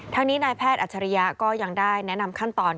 ทั้งนี้นายแพทย์อัจฉริยะก็ยังได้แนะนำขั้นตอน